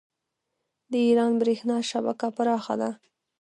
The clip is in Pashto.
د ایران بریښنا شبکه پراخه ده.